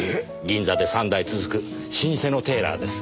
銀座で３代続く老舗のテーラーです。